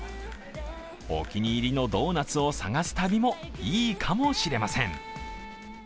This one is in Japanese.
お気に入りのドーナツを探す旅もいいかもしれません。